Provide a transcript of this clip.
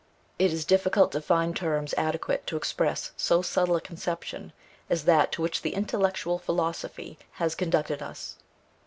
It is difficult to find terms adequate to express so subtle a conception as that to which the Intellectual Philosophy has conducted us.